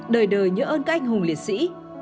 đời đời nhớ ơn các anh hùng liệt sĩ